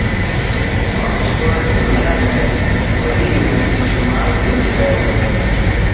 اوڪسفورڊ دنيا مَ وڏي يونيورسٽي شمار تي چھه